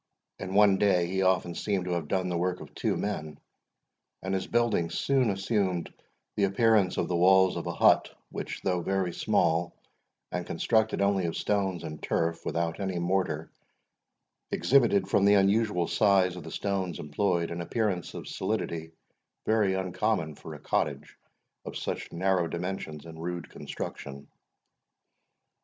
In one day he often seemed to have done the work of two men, and his building soon assumed the appearance of the walls of a hut, which, though very small, and constructed only of stones and turf, without any mortar, exhibited, from the unusual size of the stones employed, an appearance of solidity very uncommon for a cottage of such narrow dimensions and rude construction.